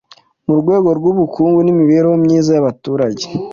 Mu rwego rw'ubukungu n'imibereho myiza y'abaturage.